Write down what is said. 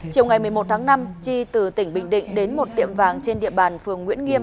chiều ngày một mươi một tháng năm chi từ tỉnh bình định đến một tiệm vàng trên địa bàn phường nguyễn nghiêm